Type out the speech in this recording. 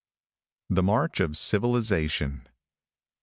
THE MARCH OF CIVILIZATION.